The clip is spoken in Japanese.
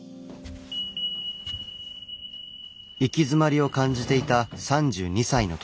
行き詰まりを感じていた３２歳の時。